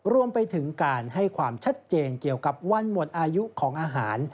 รวมไปถึงการให้ความชัดเจนเกี่ยวกับวันหมดอายุของอาหาร